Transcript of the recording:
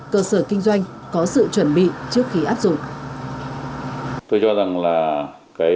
tôi cho rằng là